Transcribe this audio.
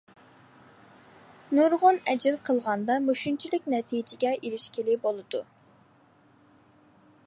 ! نۇرغۇن ئەجىر قىلغاندا مۇشۇنچىلىك نەتىجىگە ئېرىشكىلى بولىدۇ.